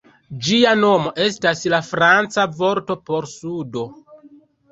Ĝia nomo estas la franca vorto por "sudo".